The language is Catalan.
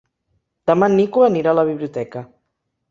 Demà en Nico anirà a la biblioteca.